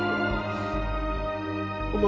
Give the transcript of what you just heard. お前